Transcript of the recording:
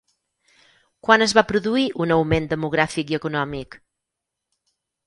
Quan es va produir un augment demogràfic i econòmic?